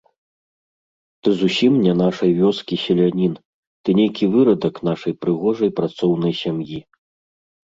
Ты зусiм не нашай вёскi селянiн, ты нейкi вырадак нашай прыгожай працоўнай сям'i...